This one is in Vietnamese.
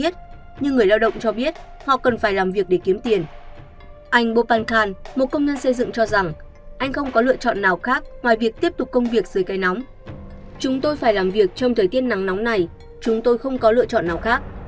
chúng tôi phải làm việc trong thời tiết nắng nóng này chúng tôi không có lựa chọn nào khác